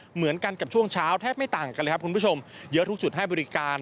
เหมือนกันกับช่วงเช้าแทบไม่ต่างกันเลยครับคุณผู้ชมเยอะทุกจุดให้บริการ